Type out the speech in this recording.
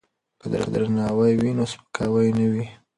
که درناوی وي نو سپکاوی نه وي.